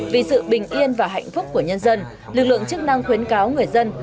vì sự bình yên và hạnh phúc của nhân dân lực lượng chức năng khuyến cáo người dân